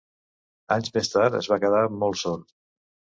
Anys més tard es va quedar molt sord.